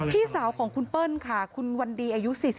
พี่สาวของคุณเปิ้ลค่ะคุณวันดีอายุ๔๒